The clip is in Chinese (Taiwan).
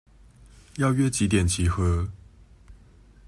要約幾點集合？